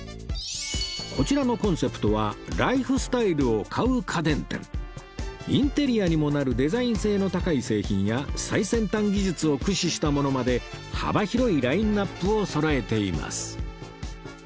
こちらのコンセプトはインテリアにもなるデザイン性の高い製品や最先端技術を駆使したものまで幅広いラインアップをそろえています